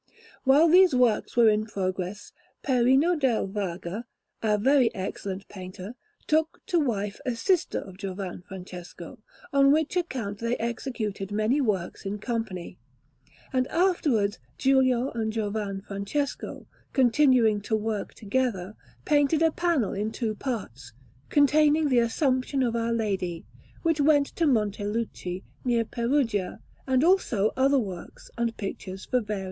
While these works were in progress, Perino del Vaga, a very excellent painter, took to wife a sister of Giovan Francesco; on which account they executed many works in company. And afterwards Giulio and Giovan Francesco, continuing to work together, painted a panel in two parts, containing the Assumption of Our Lady, which went to Monteluci, near Perugia; and also other works and pictures for various places.